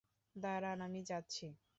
দাড়ান, আমি যাচ্ছি।